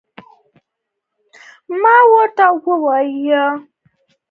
ما ورته وویل: زه تر یو وخته پورې انتظار کولای شم.